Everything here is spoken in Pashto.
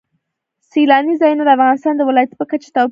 سیلانی ځایونه د افغانستان د ولایاتو په کچه توپیر لري.